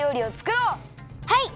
はい！